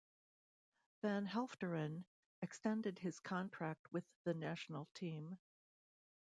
Van Helfteren extended his contract with the national team.